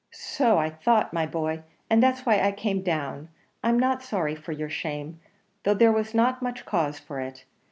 "So I thought, my boy; and that's why I came down. I'm not sorry for your shame, though there was not much cause for it.